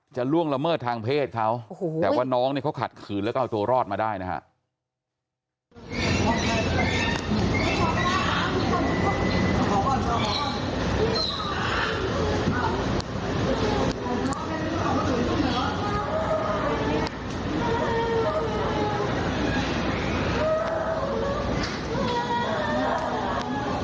ล่วงละเมิดทางเพศเขาแต่ว่าน้องเนี่ยเขาขัดขืนแล้วก็เอาตัวรอดมาได้นะครับ